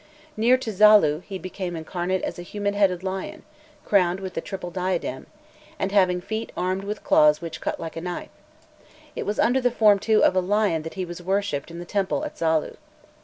Near to Zalû he became incarnate as a human headed lion, crowned with the triple diadem, and having feet armed with claws which cut like a knife; it was under the form, too, of a lion that he was worshipped in the temple at Zalû.